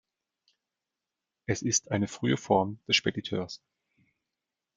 Es ist eine frühe Form des Spediteurs.